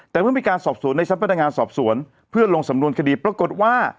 แต่เมื่อมีการสอบสวนในชั้นพนักงานสอบสวนเพื่อลงสำนวนคดีปรากฏว่า